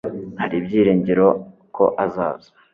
Hari ibyiringiro ko azaza